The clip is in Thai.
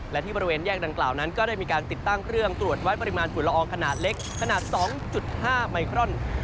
และที่บริเวณแยกดังกล่าวนั้นก็ได้มีการติดตั้งเครื่องตรวจวัดปริมาณฝุ่นละอองขนาดเล็กขนาด๒๕ไมครอน